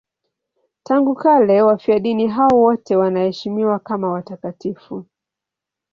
Tangu kale wafiadini hao wote wanaheshimiwa kama watakatifu.